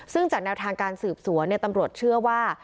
ซึ่งจากแนวทางการสืบสวนตำรวจเชื่อว่า